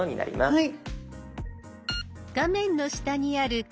はい。